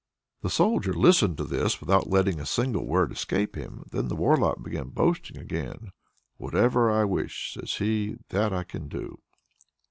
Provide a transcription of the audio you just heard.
The Soldier listened to this without letting a single word escape him. Then the Warlock began boasting again. "Whatever I wish," says he, "that I can do!"